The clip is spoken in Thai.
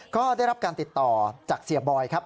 ก็ได้รับการติดต่อจากเสียบอยครับ